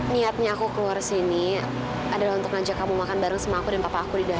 niatnya aku keluar sini adalah untuk ngajak kamu makan bareng sama aku dan papa aku di dalam